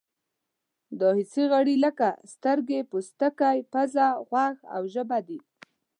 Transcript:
دا حسي غړي لکه سترګې، پوستکی، پزه، غوږ او ژبه دي.